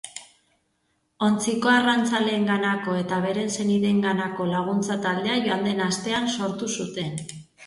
Ontziko arrantzaleenganako eta beren senideenganako laguntza taldea joan den astean sortu zuten.